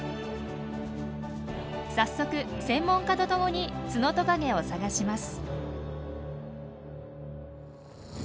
早速専門家と共にツノトカゲを探します。